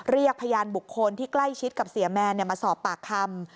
เรียกพยานบุคคลที่ใกล้ชิดกับเสียแมนมาสอบปากคำ